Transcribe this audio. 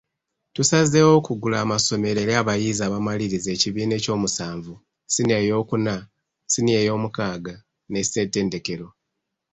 Tusazeewo okuggula amasomero eri abayizi abamalirizza ekibiina ekyomusanvu, siniya eyookuna, siniya eyoomukaaga ne ssettendekero.